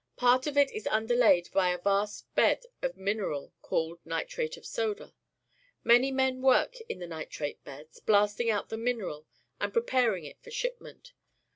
Part of it is un derlaid by a vast bed of mineral called nitrate of soda, Many men work in the nitrate beds, blasting out the mineral and preparing it for shipment.